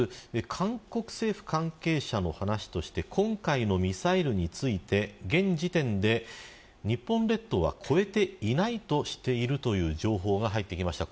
韓国政府関係者の話として今回のミサイルについて現時点で日本列島は越えていないとしているという情報が入ってきました。